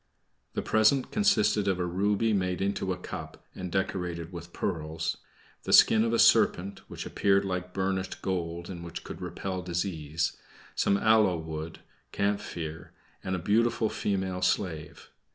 The present consisted of a ruby made into a cup, and decorated with pearls; the skin of a serpent, which appeared like burnished gold, and which could repel disease; some aloe wood, camphire, and a beautiful female slave.